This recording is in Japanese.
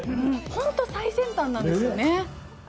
ホント最先端なんですよね。